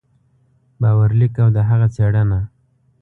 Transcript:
باور لیک او د هغه څېړنه